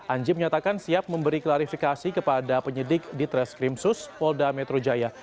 anji menyatakan siap memberi klarifikasi kepada penyidik di treskrimsus polda metro jaya